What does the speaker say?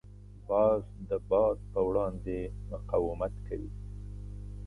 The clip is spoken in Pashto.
باز د باد په وړاندې مقاومت کوي